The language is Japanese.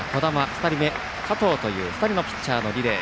２人目、加藤という２人のピッチャーのリレー。